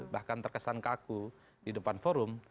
bahkan terkesan kaku di depan forum